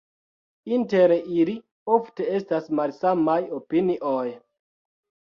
Inter ili ofte estas malsamaj opinioj.